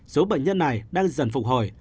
số bệnh nhân này đang dần phục hồi